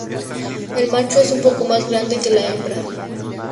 El macho es un poco más grande que la hembra.